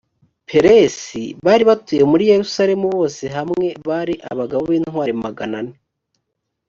peresi bari batuye muri yerusalemu bose hamwe bari abagabo b intwari magana ane